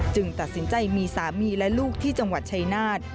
ตัดสินใจมีสามีและลูกที่จังหวัดชายนาฏ